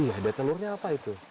iya ada telurnya apa itu